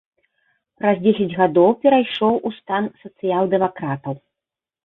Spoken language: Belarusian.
Праз дзесяць гадоў перайшоў у стан сацыял-дэмакратаў.